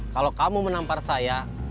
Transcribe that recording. kalau kamu menampar saya